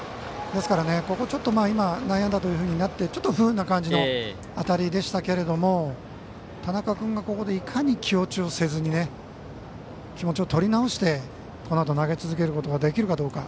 ですから、ここ内野安打になってちょっと不運な感じの当たりでしたけど田中君がここでいかに気落ちをせずに気持ちを取り直してこのあと投げ続けることができるかどうか。